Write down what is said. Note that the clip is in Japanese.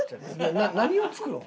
何を作るん？